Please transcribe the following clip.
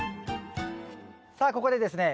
さあここでですね